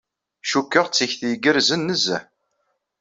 Cukkeɣ d tikti igerrzen nezzeh.